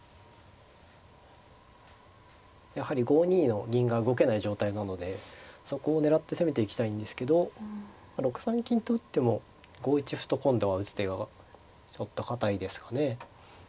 やはり５二の銀が動けない状態なのでそこを狙って攻めていきたいんですけど６三金と打っても５一歩と今度は打つ手がちょっと堅いですかね。